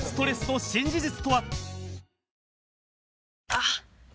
あっ！